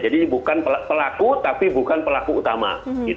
jadi bukan pelaku tapi bukan pelaku utama